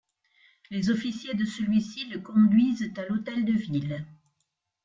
Les officiers de celui-ci le conduisent à l'hôtel de ville.